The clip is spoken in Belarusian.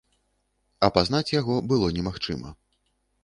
Апазнаць яго было немагчыма.